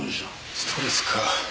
ストレスか。